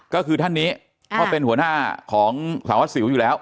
ก็คือท่านนี้เขาเป็นหัวหน้าของสารวัสสิวอยู่แล้ว